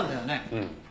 うん。